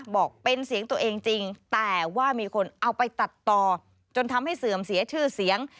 บอกเป็นเสียงตัวเองจริงแต่ว่ามีคนเอาไปตัดต่อจนทำให้เสื่อมเสียชื่อเสียง